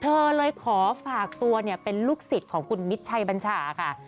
เธอเลยขอฝากตัวเป็นลูกศิษย์ของคุณมิตรชัยบัญชาค่ะ